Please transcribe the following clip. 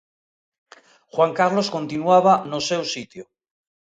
Juan Carlos continuaba no seu sitio.